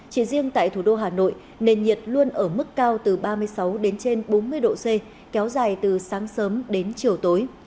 chỉ riêng tại thủ đô hà nội nền nhiệt luôn ở mức cao từ ba mươi sáu đến trên bốn mươi độ c kéo dài từ sáng sớm đến chiều tối